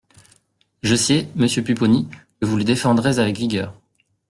Je sais, monsieur Pupponi, que vous les défendrez avec vigueur.